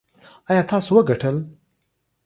ایا تاسو وګټل؟